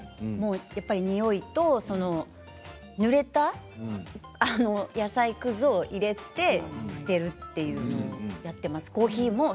やっぱりニオイとぬれた野菜くずを入れて捨てるというのをやっています。